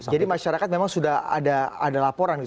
jadi masyarakat memang sudah ada laporan gitu